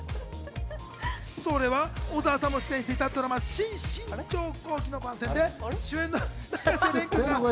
それは小澤さんも出演していたドラマ『新・信長公記』の番宣で主演の永瀬廉君が。